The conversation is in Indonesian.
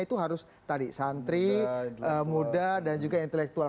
itu harus tadi santri muda dan juga intelektual